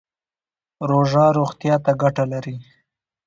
روژه روغتیا ته ګټه لري